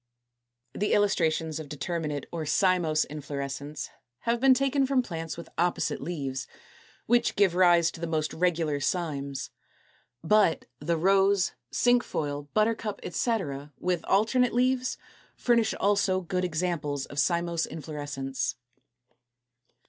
223. The illustrations of determinate or cymose inflorescence have been taken from plants with opposite leaves, which give rise to the most regular cymes. But the Rose, Cinquefoil, Buttercup, etc., with alternate leaves, furnish also good examples of cymose inflorescence.